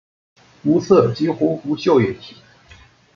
无色几乎无臭液体。